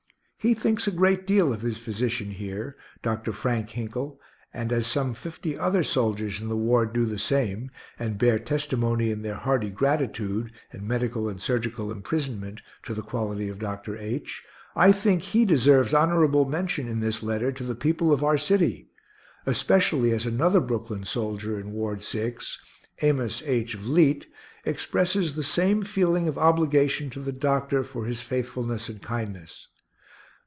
He thinks a great deal of his physician here, Dr. Frank Hinkle, and as some fifty other soldiers in the ward do the same, and bear testimony in their hearty gratitude, and medical and surgical imprisonment, to the quality of Dr. H., I think he deserves honorable mention in this letter to the people of our city especially as another Brooklyn soldier in Ward 6, Amos H. Vliet, expresses the same feeling of obligation to the doctor for his faithfulness and kindness.